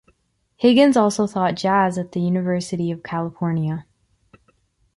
Higgins also thought Jazz at the University of California.